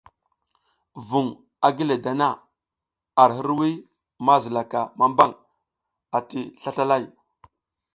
Vuŋ a gi le dana ar hirwuy ma zilaka mambang ati slaslalay.